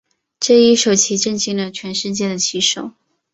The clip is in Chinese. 这一手棋震惊了全世界的棋手。